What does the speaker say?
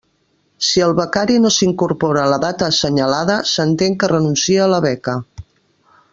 Si el becari no s'incorpora en la data assenyalada, s'entén que renuncia a la beca.